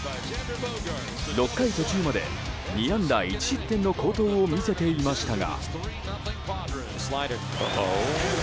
６回途中まで２安打１失点の好投を見せていましたが。